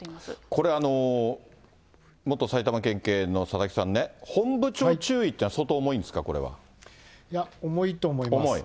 これ、元埼玉県警の佐々木さんね、本部長注意っていうのは、相当重いんですか、いや、重いと思います。